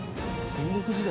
戦国時代。